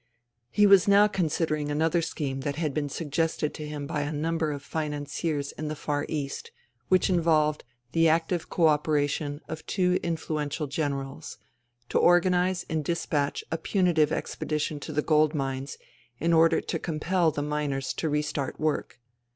He was now considering another scheme that had been suggested to him by a number of financiers in the Far East, which involved the active co opera tion of two influential generals — to organize and dispatch a punitive expedition to the gold mines in order to compel the miners to restart work.